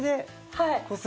はい。